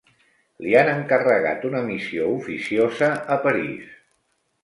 Li han encarregat una missió oficiosa a París.